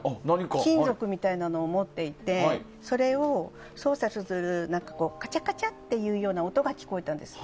金属みたいなのを持っていてそれを操作するカチャカチャっていう音が聞こえたんです。